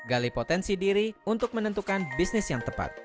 gali potensi diri untuk menentukan bisnis yang tepat